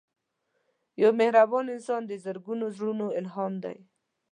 یو مهربان انسان د زرګونو زړونو الهام دی